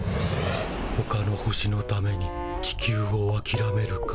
ほかの星のために地球をあきらめるか。